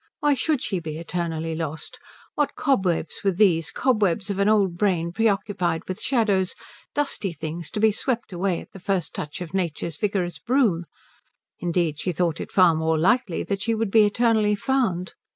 Why should she be eternally lost? What cobwebs were these, cobwebs of an old brain preoccupied with shadows, dusty things to be swept away at the first touch of Nature's vigorous broom? Indeed she thought it far more likely that she would be eternally found.